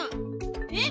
えっ？